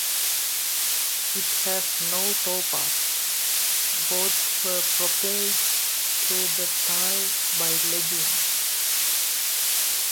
It has no towpath; boats were propelled through the tunnel by legging.